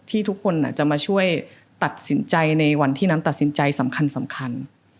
ทุกคนจะมาช่วยตัดสินใจในวันที่น้ำตัดสินใจสำคัญ